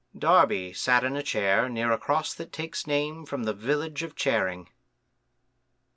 —Darby sat in a chair Near a cross that takes name from the village of Charing.